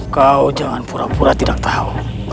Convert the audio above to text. kau jangan pura pura tidak tahu